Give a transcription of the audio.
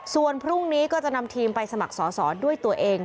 ส่วนพรุ่งนี้ก็จะนำทีมไปสมัครสอสอด้วยตัวเอง